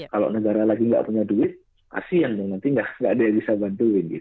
kalau negara lagi nggak punya duit kasihan dong nanti nggak ada yang bisa bantuin